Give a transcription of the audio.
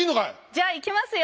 じゃいきますよ。